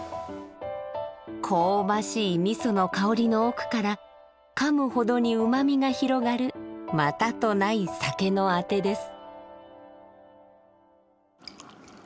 香ばしいみその香りの奥からかむほどにうまみが広がるまたとない酒のあてです。